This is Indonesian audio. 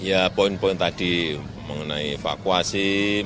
ya poin poin tadi mengenai evakuasi